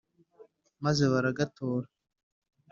Maze baragatora